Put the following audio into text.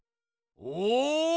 お！